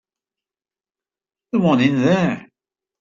The one in there.